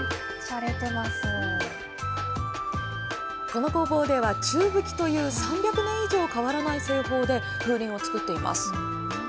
この工房では、宙吹きという３００年以上変わらない製法で、風鈴を作っています。